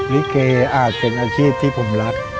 ลิเกอาจเป็นอาชีพที่ผมรัก